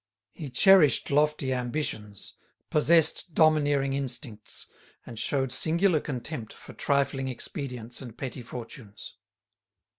He cherished lofty ambitions, possessed domineering instincts, and showed singular contempt for trifling expedients and petty fortunes.